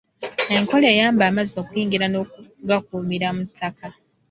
Enkola eyamba amazzi okuyingira n'okugakuumira mu ttaka.